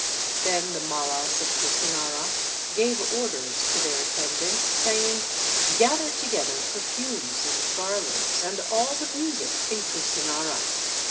Then the Mallas of Kusinara gave orders to their attendants, saying, "Gather together perfumes and garlands, and all the music in Kusinara!"